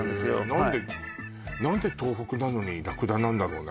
何で何で東北なのにラクダなんだろうね